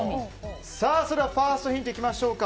それではファーストヒント見ていきましょうか。